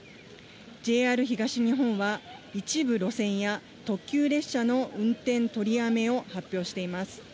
ＪＲ東日本は、一部路線や特急列車の運転取りやめを発表しています。